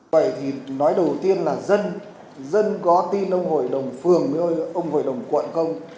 vậy thì nói đầu tiên là dân dân có tin ông hội đồng phường với ông hội đồng quận không